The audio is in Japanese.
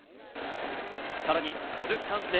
さらに続くチャンスで。